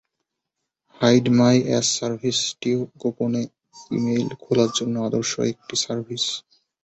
Hide my ass সার্ভিসটিও গোপন email খোলার জন্য আদর্শ একটি সার্ভিস।